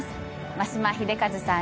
眞島秀和さん